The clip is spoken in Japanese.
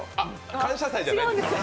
「感謝祭」じゃないですよ